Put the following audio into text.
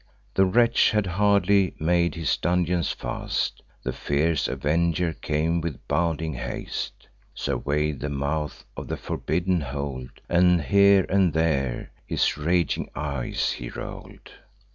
The wretch had hardly made his dungeon fast; The fierce avenger came with bounding haste; Survey'd the mouth of the forbidden hold, And here and there his raging eyes he roll'd.